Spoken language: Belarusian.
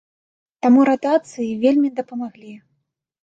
Таму ратацыі вельмі дапамаглі.